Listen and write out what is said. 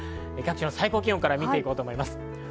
最高気温から見て行こうと思います。